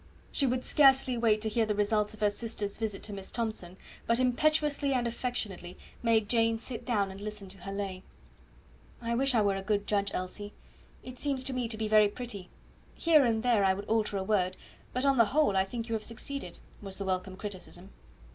She would scarcely wait to hear the result of her sister's visit to Miss Thomson, but impetuously and affectionately made Jane sit down to listen to her lay. "I wish I were a good judge, Elsie. It seems to me to be very pretty. Here and there I would alter a word; but, on the whole, I think you have succeeded," was the welcome criticism.